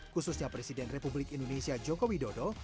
khususnya presiden republik indonesia joko widodo